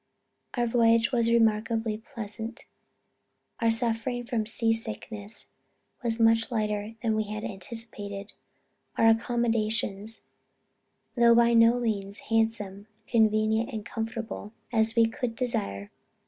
"Our voyage was remarkably pleasant, our suffering from sea sickness was much lighter than we had anticipated; our accommodations, though by no means handsome, convenient and comfortable as we could desire.